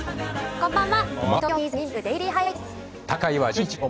こんばんは。